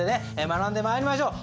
学んで参りましょう。